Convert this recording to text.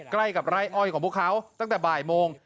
ใกล้กับไร่อ้อยของพวกเขาตั้งแต่บ่ายโมง